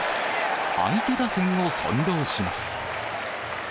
相手打線を翻弄します。